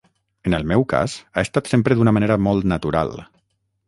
En el meu cas, ha estat sempre d’una manera molt natural.